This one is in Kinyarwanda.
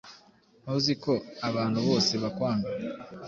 ntuzi ko abantu bose bakwanga,